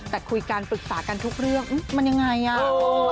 แต่คุยกันปรึกษากันทุกเรื่องมันยังไงอ่ะ